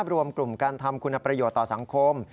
รวมกลุ่มการทำคุณประโยชน์ต่อสังคม